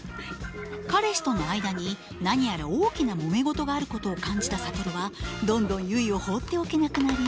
彼氏との間に何やら大きなもめ事があることを感じた諭はどんどん結を放っておけなくなり。